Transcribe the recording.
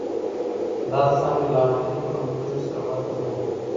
دا څانګه له عملي ټولنپوهنې سره ورته ده.